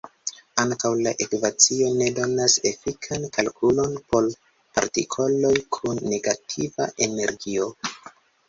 Ankaŭ la ekvacio ne donas efikan kalkulon por partikloj kun negativa energio.